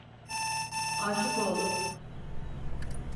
Aşık oldum!